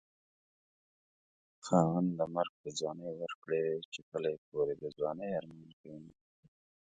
خاونده مرګ په ځوانۍ ورکړې چې کلی کور يې د ځوانۍ ارمان کوينه